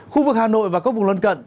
khu vực hà nội và các vùng lân cận